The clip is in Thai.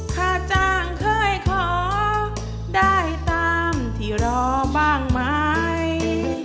ค่าจ้างเคยขอได้ตามที่รอบ้างไหม